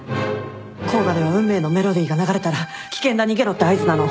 甲賀では『運命』のメロディーが流れたら「危険だ逃げろ」って合図なの。